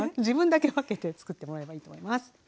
自分だけ分けて作ってもらえばいいと思います。